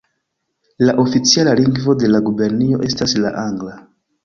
La oficiala lingvo de la gubernio estas la angla.